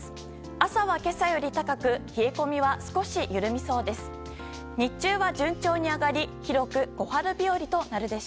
朝は今朝より高く冷え込みは少し緩みそうです。